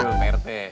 aduh pak rt